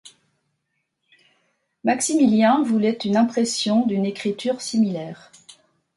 Maximilien voulait une impression d'une Écriture similaire.